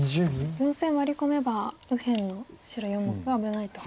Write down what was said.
４線ワリ込めば右辺白４目が危ないと。